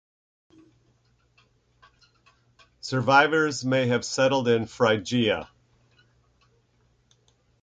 Survivors may have settled in Phrygia.